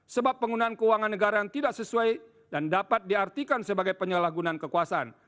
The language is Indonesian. sebab penggunaan keuangan negara yang tidak sesuai dan dapat diartikan sebagai penyalahgunaan kekuasaan